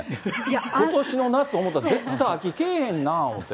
ことしの夏、思ったら絶対秋、けえへんなと思って。